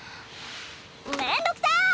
めんどくさい！